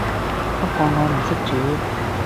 不過我唔識煮